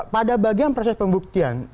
pada bagian proses pembuktian